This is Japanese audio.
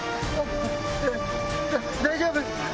大丈夫？